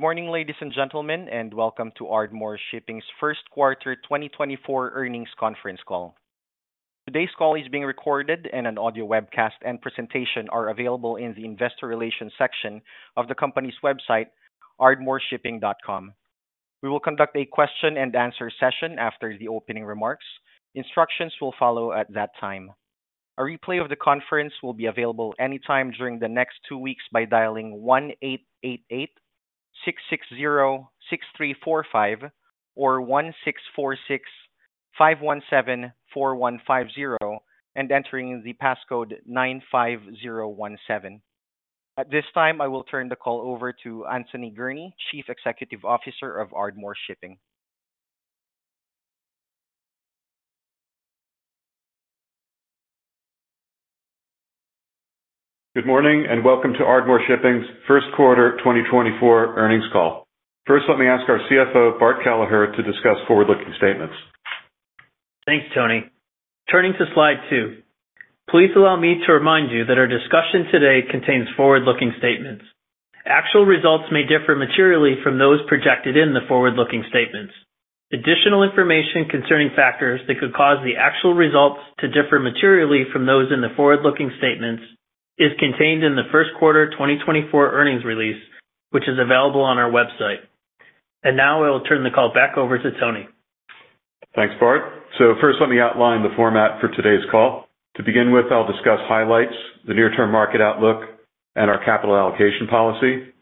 Good morning, ladies and gentlemen, and welcome to Ardmore Shipping's First Quarter 2024 Earnings Conference Call. Today's call is being recorded, and an audio webcast and presentation are available in the investor relations section of the company's website, ardmoreshipping.com. We will conduct a question-and-answer session after the opening remarks. Instructions will follow at that time. A replay of the conference will be available anytime during the next two weeks by dialing 1-888-660-6345 or 1-646-517-4150 and entering the passcode 95017. At this time, I will turn the call over to Anthony Gurnee, Chief Executive Officer of Ardmore Shipping. Good morning and welcome to Ardmore Shipping's first quarter 2024 earnings call. First, let me ask our CFO, Bart Kelleher, to discuss forward-looking statements. Thanks, Tony. Turning to slide 2. Please allow me to remind you that our discussion today contains forward-looking statements. Actual results may differ materially from those projected in the forward-looking statements. Additional information concerning factors that could cause the actual results to differ materially from those in the forward-looking statements is contained in the first quarter 2024 earnings release, which is available on our website. Now I will turn the call back over to Tony. Thanks, Bart. So first, let me outline the format for today's call. To begin with, I'll discuss highlights, the near-term market outlook, and our capital allocation policy,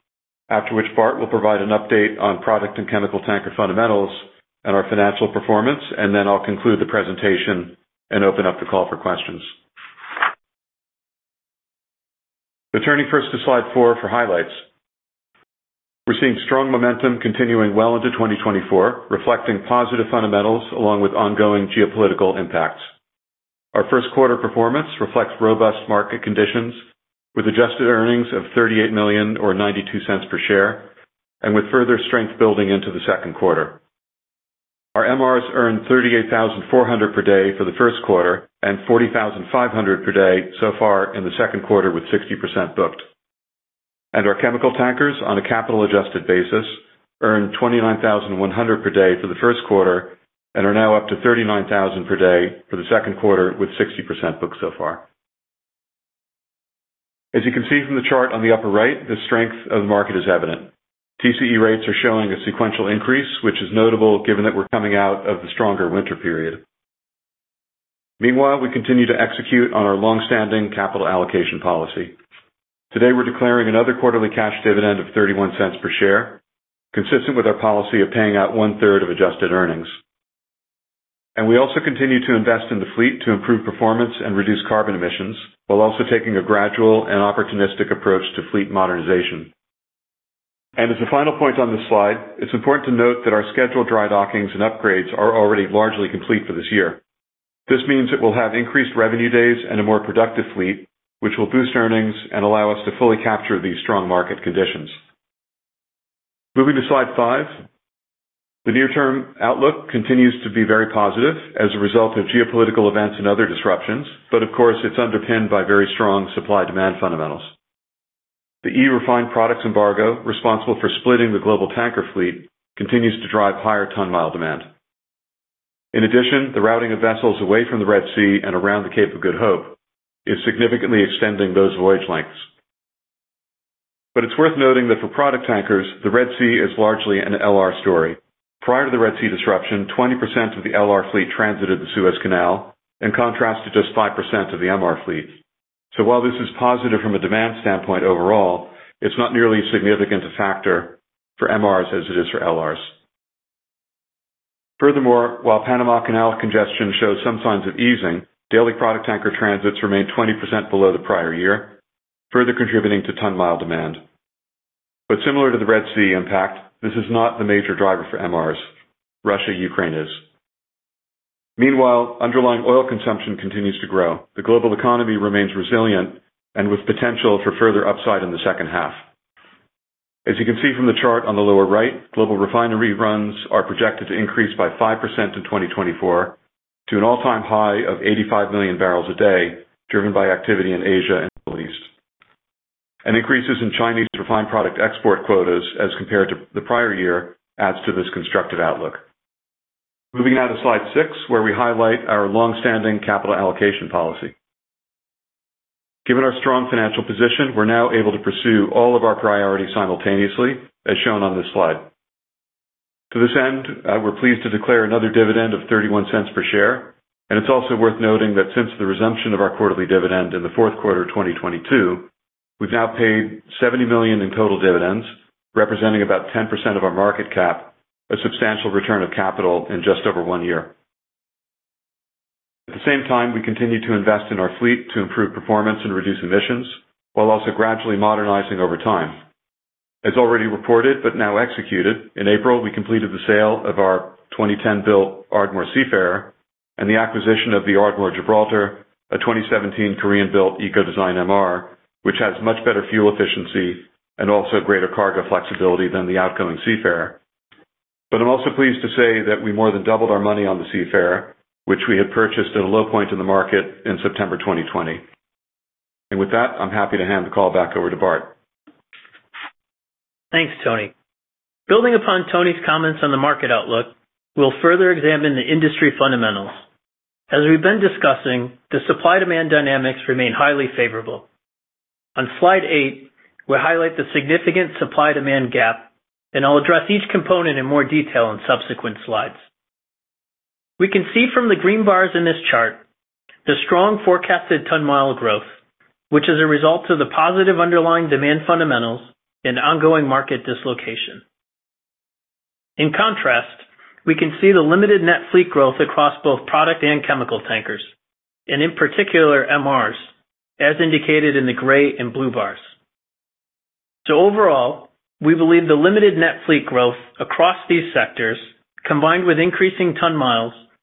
after which Bart will provide an update on product and chemical tanker fundamentals and our financial performance, and then I'll conclude the presentation and open up the call for questions. So turning first to slide 4 for highlights. We're seeing strong momentum continuing well into 2024, reflecting positive fundamentals along with ongoing geopolitical impacts. Our first quarter performance reflects robust market conditions with adjusted earnings of $38 million or $0.92 per share and with further strength building into the second quarter. Our MRs earned $38,400 per day for the first quarter and $40,500 per day so far in the second quarter with 60% booked. Our chemical tankers, on a capital-adjusted basis, earned $29,100 per day for the first quarter and are now up to $39,000 per day for the second quarter with 60% booked so far. As you can see from the chart on the upper right, the strength of the market is evident. TCE rates are showing a sequential increase, which is notable given that we're coming out of the stronger winter period. Meanwhile, we continue to execute on our longstanding capital allocation policy. Today, we're declaring another quarterly cash dividend of $0.31 per share, consistent with our policy of paying out 1/3 of adjusted earnings. We also continue to invest in the fleet to improve performance and reduce carbon emissions while also taking a gradual and opportunistic approach to fleet modernization. As a final point on this slide, it's important to note that our scheduled dry dockings and upgrades are already largely complete for this year. This means it will have increased revenue days and a more productive fleet, which will boost earnings and allow us to fully capture these strong market conditions. Moving to slide 5. The near-term outlook continues to be very positive as a result of geopolitical events and other disruptions, but of course, it's underpinned by very strong supply-demand fundamentals. The EU refined products embargo responsible for splitting the global tanker fleet continues to drive higher ton-mile demand. In addition, the routing of vessels away from the Red Sea and around the Cape of Good Hope is significantly extending those voyage lengths. It's worth noting that for product tankers, the Red Sea is largely an LR story. Prior to the Red Sea disruption, 20% of the LR fleet transited the Suez Canal in contrast to just 5% of the MR fleet. So while this is positive from a demand standpoint overall, it's not nearly as significant a factor for MRs as it is for LRs. Furthermore, while Panama Canal congestion shows some signs of easing, daily product tanker transits remain 20% below the prior year, further contributing to ton-mile demand. But similar to the Red Sea impact, this is not the major driver for MRs. Russia-Ukraine is. Meanwhile, underlying oil consumption continues to grow. The global economy remains resilient and with potential for further upside in the second half. As you can see from the chart on the lower right, global refinery runs are projected to increase by 5% in 2024 to an all-time high of 85 million barrels a day driven by activity in Asia and the Middle East. An increase in Chinese refined product export quotas as compared to the prior year adds to this constructive outlook. Moving now to slide 6, where we highlight our longstanding capital allocation policy. Given our strong financial position, we're now able to pursue all of our priorities simultaneously, as shown on this slide. To this end, we're pleased to declare another dividend of $0.31 per share. It's also worth noting that since the resumption of our quarterly dividend in the fourth quarter of 2022, we've now paid $70 million in total dividends, representing about 10% of our market cap, a substantial return of capital in just over one year. At the same time, we continue to invest in our fleet to improve performance and reduce emissions while also gradually modernizing over time. As already reported but now executed, in April, we completed the sale of our 2010-built Ardmore Seafarer and the acquisition of the Ardmore Gibraltar, a 2017 Korean-built Eco-Design MR, which has much better fuel efficiency and also greater cargo flexibility than the outgoing Seafarer. I'm also pleased to say that we more than doubled our money on the Seafarer, which we had purchased at a low point in the market in September 2020. With that, I'm happy to hand the call back over to Bart. Thanks, Tony. Building upon Tony's comments on the market outlook, we'll further examine the industry fundamentals. As we've been discussing, the supply-demand dynamics remain highly favorable. On slide 8, we highlight the significant supply-demand gap, and I'll address each component in more detail in subsequent slides. We can see from the green bars in this chart the strong forecasted ton-mile growth, which is a result of the positive underlying demand fundamentals and ongoing market dislocation. In contrast, we can see the limited net fleet growth across both product and chemical tankers, and in particular MRs, as indicated in the gray and blue bars. So overall, we believe the limited net fleet growth across these sectors, combined with increasing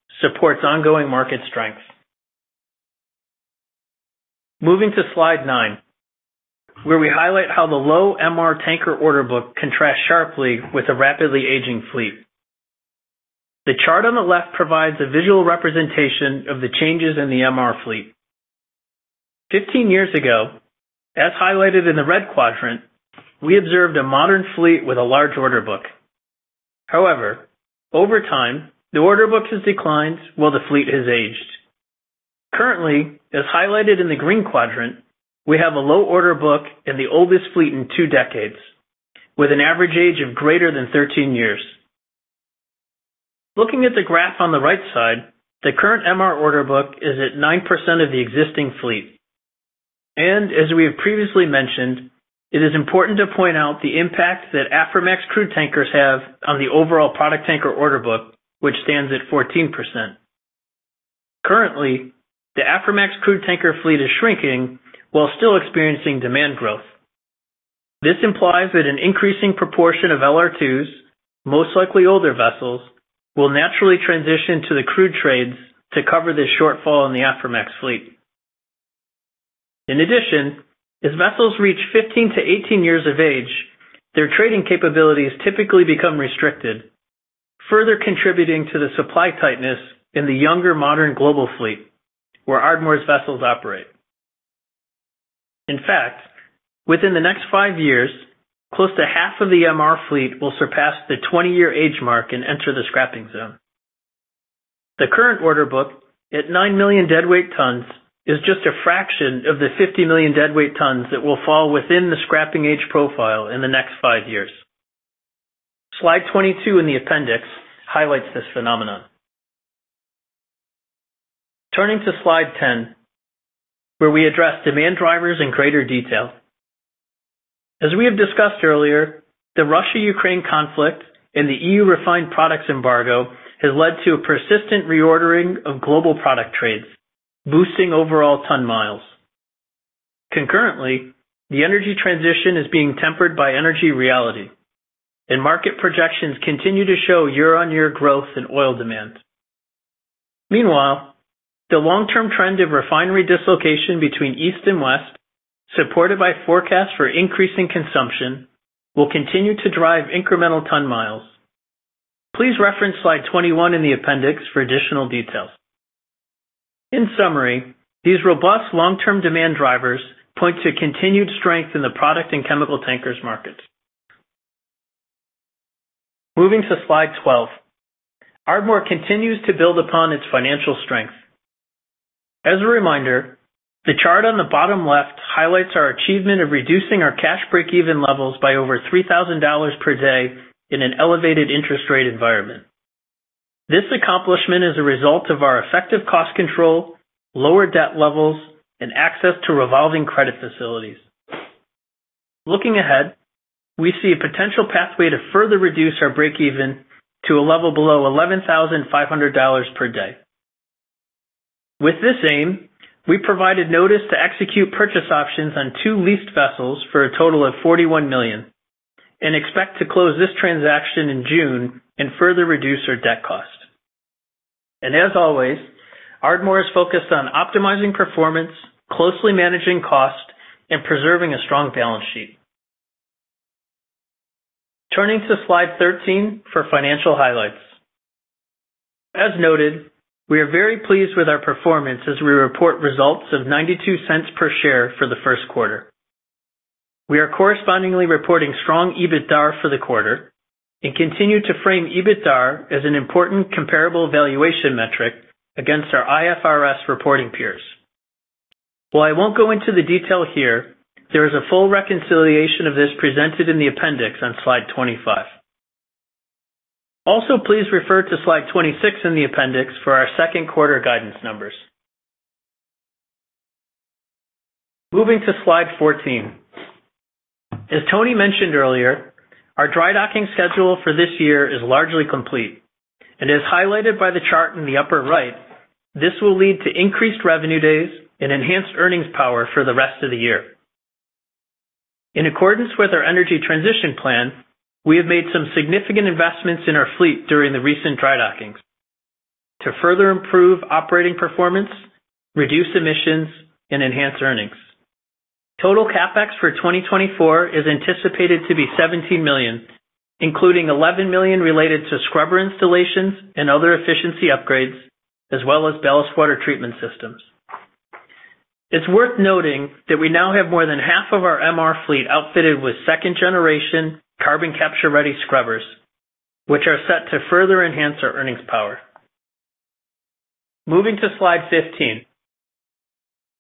ton-miles, supports ongoing market strength. Moving to slide 9, where we highlight how the low MR tanker order book contrasts sharply with a rapidly aging fleet. The chart on the left provides a visual representation of the changes in the MR fleet. 15 years ago, as highlighted in the red quadrant, we observed a modern fleet with a large order book. However, over time, the order book has declined while the fleet has aged. Currently, as highlighted in the green quadrant, we have a low order book in the oldest fleet in two decades, with an average age of greater than 13 years. Looking at the graph on the right side, the current MR order book is at 9% of the existing fleet. As we have previously mentioned, it is important to point out the impact that Aframax crude tankers have on the overall product tanker order book, which stands at 14%. Currently, the Aframax crude tanker fleet is shrinking while still experiencing demand growth. This implies that an increasing proportion of LR2s, most likely older vessels, will naturally transition to the crude trades to cover this shortfall in the Aframax fleet. In addition, as vessels reach 15 to 18 years of age, their trading capabilities typically become restricted, further contributing to the supply tightness in the younger modern global fleet where Ardmore's vessels operate. In fact, within the next five years, close to half of the MR fleet will surpass the 20-year age mark and enter the scrapping zone. The current order book, at 9 million deadweight tons, is just a fraction of the 50 million deadweight tons that will fall within the scrapping age profile in the next five years. Slide 22 in the appendix highlights this phenomenon. Turning to slide 10, where we address demand drivers in greater detail. As we have discussed earlier, the Russia-Ukraine conflict and the EU refined products embargo has led to a persistent reordering of global product trades, boosting overall ton-miles. Concurrently, the energy transition is being tempered by energy reality, and market projections continue to show year-on-year growth in oil demand. Meanwhile, the long-term trend of refinery dislocation between east and west, supported by forecasts for increasing consumption, will continue to drive incremental ton-miles. Please reference slide 21 in the appendix for additional details. In summary, these robust long-term demand drivers point to continued strength in the product and chemical tankers markets. Moving to slide 12. Ardmore continues to build upon its financial strength. As a reminder, the chart on the bottom left highlights our achievement of reducing our cash breakeven levels by over $3,000 per day in an elevated interest rate environment. This accomplishment is a result of our effective cost control, lower debt levels, and access to revolving credit facilities. Looking ahead, we see a potential pathway to further reduce our breakeven to a level below $11,500 per day. With this aim, we provided notice to execute purchase options on two leased vessels for a total of $41 million and expect to close this transaction in June and further reduce our debt cost. And as always, Ardmore is focused on optimizing performance, closely managing cost, and preserving a strong balance sheet. Turning to slide 13 for financial highlights. As noted, we are very pleased with our performance as we report results of $0.92 per share for the first quarter. We are correspondingly reporting strong EBITDA for the quarter and continue to frame EBITDA as an important comparable valuation metric against our IFRS reporting peers. While I won't go into the detail here, there is a full reconciliation of this presented in the appendix on slide 25. Also, please refer to slide 26 in the appendix for our second quarter guidance numbers. Moving to slide 14. As Tony mentioned earlier, our drydocking schedule for this year is largely complete. As highlighted by the chart in the upper right, this will lead to increased revenue days and enhanced earnings power for the rest of the year. In accordance with our energy transition plan, we have made some significant investments in our fleet during the recent drydockings to further improve operating performance, reduce emissions, and enhance earnings. Total CapEx for 2024 is anticipated to be $17 million, including $11 million related to scrubber installations and other efficiency upgrades, as well as ballast water treatment systems. It's worth noting that we now have more than half of our MR fleet outfitted with second-generation, carbon-capture-ready scrubbers, which are set to further enhance our earnings power. Moving to slide 15.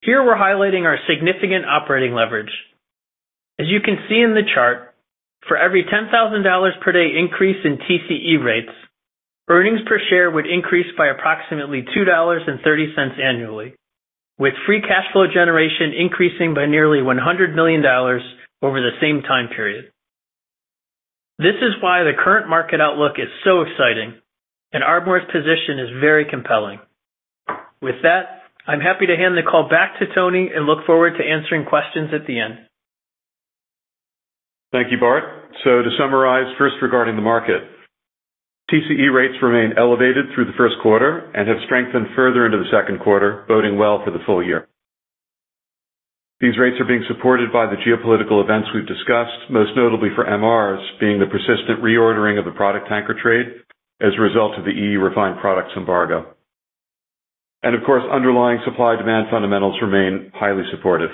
Here we're highlighting our significant operating leverage. As you can see in the chart, for every $10,000 per day increase in TCE rates, earnings per share would increase by approximately $2.30 annually, with free cash flow generation increasing by nearly $100 million over the same time period. This is why the current market outlook is so exciting, and Ardmore's position is very compelling. With that, I'm happy to hand the call back to Tony and look forward to answering questions at the end. Thank you, Bart. So to summarize, first regarding the market. TCE rates remain elevated through the first quarter and have strengthened further into the second quarter, boding well for the full year. These rates are being supported by the geopolitical events we've discussed, most notably for MRs being the persistent reordering of the product tanker trade as a result of the EU refined products embargo. And of course, underlying supply-demand fundamentals remain highly supportive.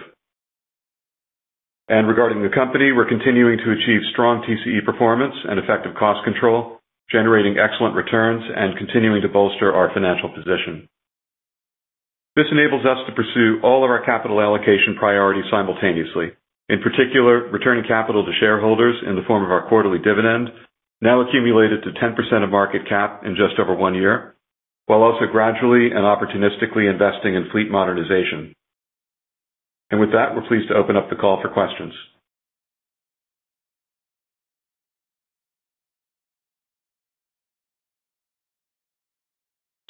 And regarding the company, we're continuing to achieve strong TCE performance and effective cost control, generating excellent returns, and continuing to bolster our financial position. This enables us to pursue all of our capital allocation priorities simultaneously, in particular, returning capital to shareholders in the form of our quarterly dividend, now accumulated to 10% of market cap in just over one year, while also gradually and opportunistically investing in fleet modernization. With that, we're pleased to open up the call for questions.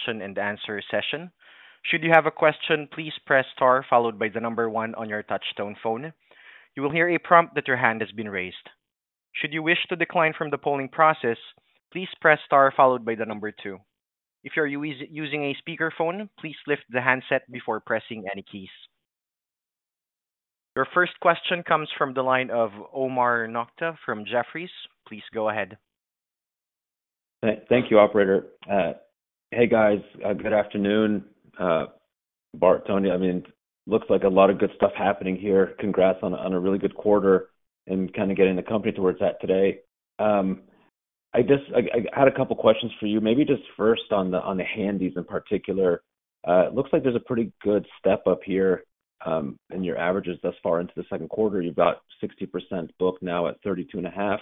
Question and answer session. Should you have a question, please press star followed by the number one on your touch-tone phone. You will hear a prompt that your hand has been raised. Should you wish to decline from the polling process, please press star followed by the number two. If you're using a speakerphone, please lift the handset before pressing any keys. Your first question comes from the line of Omar Nokta from Jefferies. Please go ahead. Thank you, operator. Hey guys, good afternoon. Bart, Tony, I mean, looks like a lot of good stuff happening here. Congrats on a really good quarter and kind of getting the company to where it's at today. I had a couple of questions for you. Maybe just first on the handys in particular. It looks like there's a pretty good step up here in your averages thus far into the second quarter. You've got 60% book now at $32.5.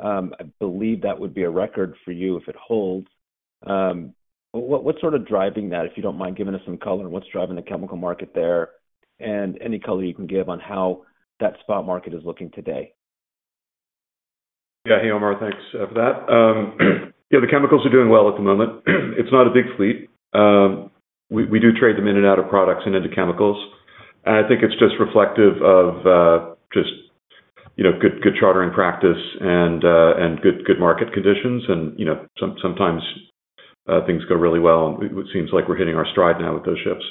I believe that would be a record for you if it holds. What's sort of driving that, if you don't mind giving us some color? What's driving the chemical market there? And any color you can give on how that spot market is looking today? Yeah, hey Omar, thanks for that. Yeah, the chemicals are doing well at the moment. It's not a big fleet. We do trade them in and out of products and into chemicals. I think it's just reflective of just good chartering practice and good market conditions. Sometimes things go really well, and it seems like we're hitting our stride now with those ships.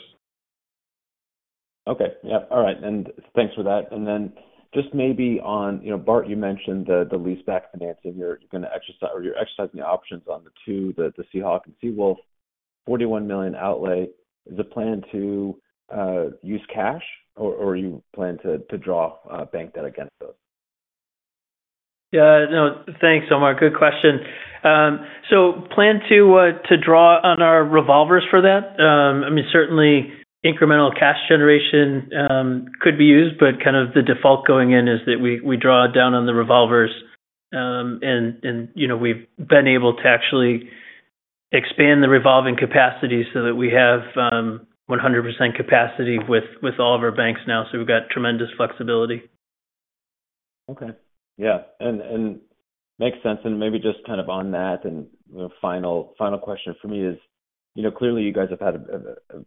Okay. Yep. All right. And thanks for that. And then just maybe on Bart, you mentioned the leaseback financing. You're going to exercise or you're exercising the options on the two, the Seahawk and Seawolf, $41 million outlay. Is it planned to use cash, or are you planning to draw bank debt against those? Yeah. No, thanks, Omar. Good question. So plan to draw on our revolvers for that. I mean, certainly, incremental cash generation could be used, but kind of the default going in is that we draw down on the revolvers. And we've been able to actually expand the revolving capacity so that we have 100% capacity with all of our banks now, so we've got tremendous flexibility. Okay. Yeah. And makes sense. And maybe just kind of on that, my final question for me is, clearly, you guys have had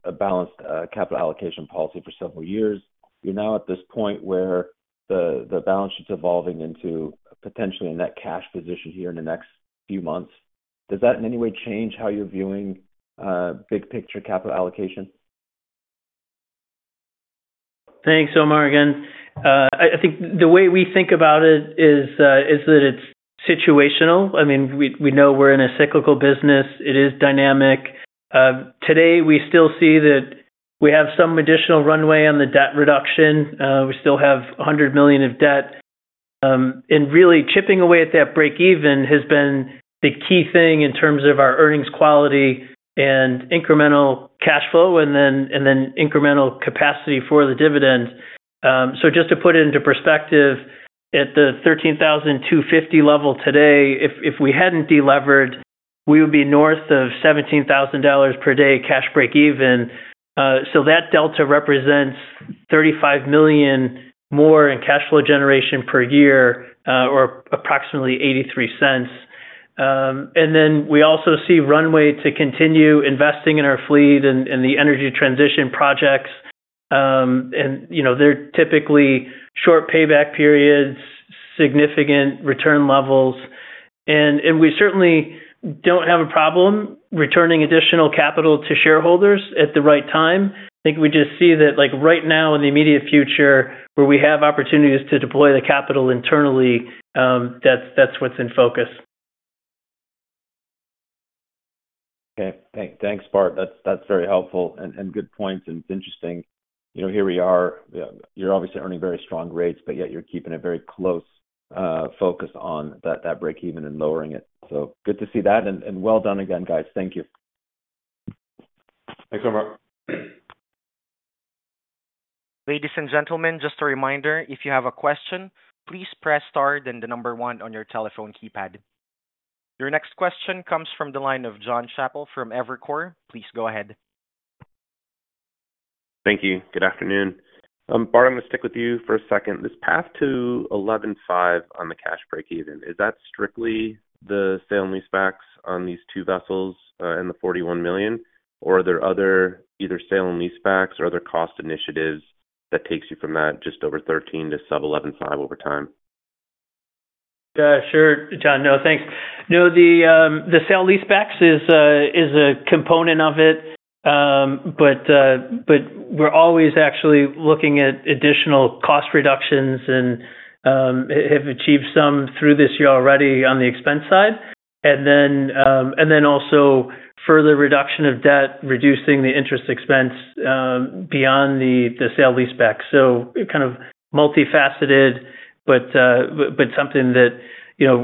a balanced capital allocation policy for several years. You're now at this point where the balance sheet's evolving into potentially a net cash position here in the next few months. Does that in any way change how you're viewing big-picture capital allocation? Thanks, Omar, again. I think the way we think about it is that it's situational. I mean, we know we're in a cyclical business. It is dynamic. Today, we still see that we have some additional runway on the debt reduction. We still have $100 million of debt. And really, chipping away at that breakeven has been the key thing in terms of our earnings quality and incremental cash flow and then incremental capacity for the dividend. So just to put it into perspective, at the $13,250 level today, if we hadn't delevered, we would be north of $17,000 per day cash breakeven. So that delta represents $35 million more in cash flow generation per year or approximately $0.83. And then we also see runway to continue investing in our fleet and the energy transition projects. And they're typically short payback periods, significant return levels. We certainly don't have a problem returning additional capital to shareholders at the right time. I think we just see that right now, in the immediate future, where we have opportunities to deploy the capital internally, that's what's in focus. Okay. Thanks, Bart. That's very helpful and good points, and it's interesting. Here we are. You're obviously earning very strong rates, but yet you're keeping a very close focus on that breakeven and lowering it. So good to see that, and well done again, guys. Thank you. Thanks, Omar. Ladies and gentlemen, just a reminder, if you have a question, please press star and the number one on your telephone keypad. Your next question comes from the line of John Chappell from Evercore. Please go ahead. Thank you. Good afternoon. Bart, I'm going to stick with you for a second. This path to $11,500 on the cash breakeven, is that strictly the sale and leasebacks on these two vessels and the $41 million, or are there other either sale and leasebacks or other cost initiatives that takes you from that just over $13,000 to sub $11,500 over time? Yeah, sure, John. No, thanks. No, the sale leasebacks is a component of it, but we're always actually looking at additional cost reductions and have achieved some through this year already on the expense side. And then also further reduction of debt, reducing the interest expense beyond the sale leasebacks. So kind of multifaceted, but something that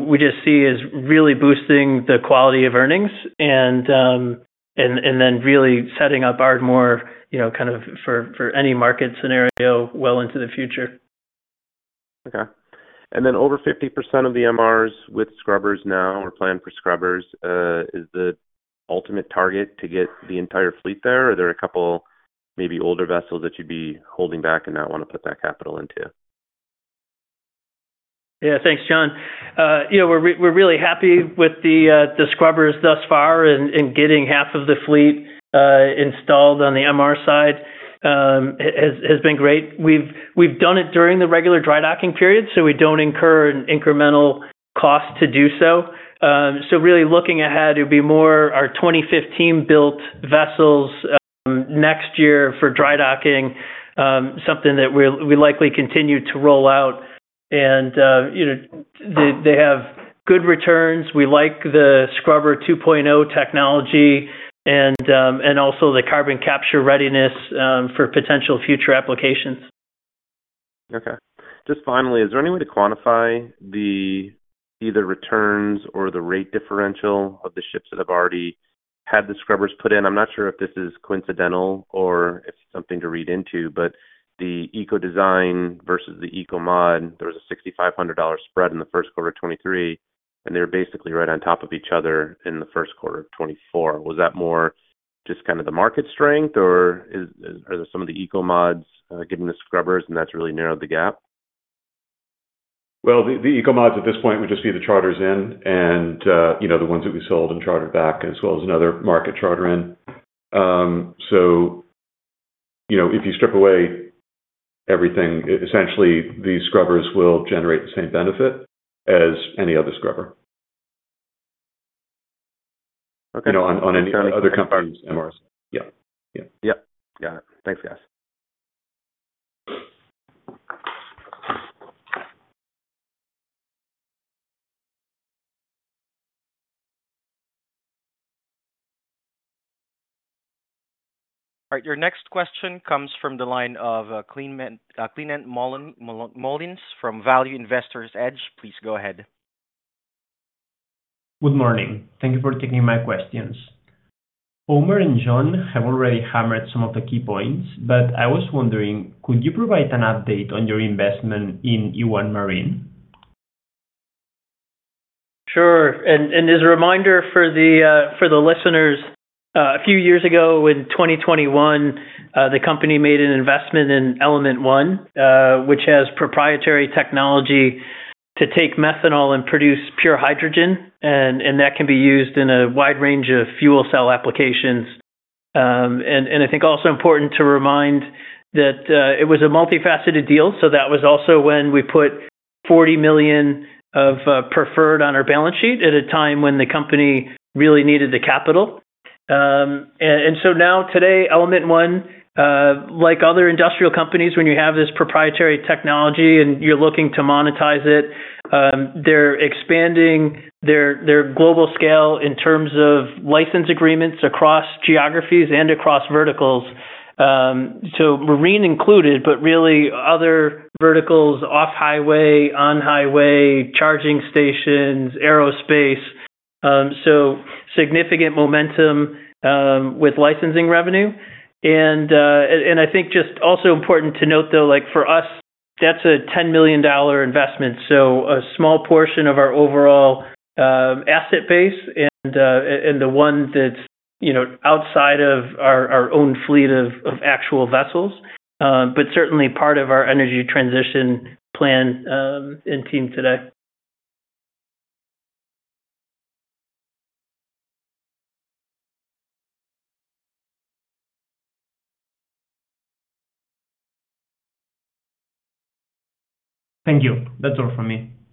we just see is really boosting the quality of earnings and then really setting up Ardmore kind of for any market scenario well into the future. Okay. And then, over 50% of the MRs with scrubbers now or planned for scrubbers, is the ultimate target to get the entire fleet there, or are there a couple maybe older vessels that you'd be holding back and not want to put that capital into? Yeah, thanks, John. We're really happy with the Scrubbers thus far and getting half of the fleet installed on the MR side has been great. We've done it during the regular dry docking period, so we don't incur an incremental cost to do so. So really looking ahead, it would be more our 2015-built vessels next year for dry docking, something that we likely continue to roll out. And they have good returns. We like the scrubber 2.0 technology and also the carbon capture readiness for potential future applications. Okay. Just finally, is there any way to quantify either returns or the rate differential of the ships that have already had the scrubbers put in? I'm not sure if this is coincidental or if it's something to read into, but the Eco-Design versus the Eco-Mod, there was a $6,500 spread in the first quarter of 2023, and they were basically right on top of each other in the first quarter of 2024. Was that more just kind of the market strength, or are there some of the Eco-Mods getting the scrubbers, and that's really narrowed the gap? Well, the Eco-Mods at this point would just be the charters in and the ones that we sold and chartered back, as well as another market charter in. So if you strip away everything, essentially, these scrubbers will generate the same benefit as any other scrubber on any other company's MRs. Yeah. Yep. Got it. Thanks, guys. All right. Your next question comes from the line of Climent Molins from Value Investor's Edge. Please go ahead. Good morning. Thank you for taking my questions. Omar and John have already hammered some of the key points, but I was wondering, could you provide an update on your investment in e1 Marine? Sure. And as a reminder for the listeners, a few years ago in 2021, the company made an investment in Element 1, which has proprietary technology to take methanol and produce pure hydrogen, and that can be used in a wide range of fuel cell applications. And I think also important to remind that it was a multifaceted deal, so that was also when we put $40 million of preferred on our balance sheet at a time when the company really needed the capital. And so now, today, Element 1, like other industrial companies, when you have this proprietary technology and you're looking to monetize it, they're expanding their global scale in terms of license agreements across geographies and across verticals, so marine included, but really other verticals off-highway, on-highway, charging stations, aerospace. So significant momentum with licensing revenue. I think just also important to note, though, for us, that's a $10 million investment, so a small portion of our overall asset base and the one that's outside of our own fleet of actual vessels, but certainly part of our energy transition plan and team today. Thank you. That's all from me.